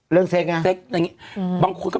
เรื่องเซ็กไง